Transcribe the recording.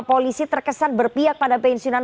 polisi terkesan berpihak pada pensiunan